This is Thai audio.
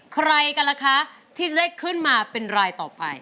ใครกันล่ะคะที่จะได้ขึ้นมาเป็นรายต่อไป